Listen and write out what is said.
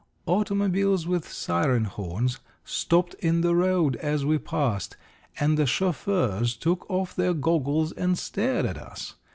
Automobiles with siren horns stopped in the road as we passed, and the chauffeurs took off their goggles and stared at us.